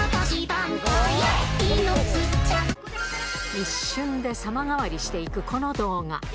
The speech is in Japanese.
一瞬で様変わりしていくこの動画。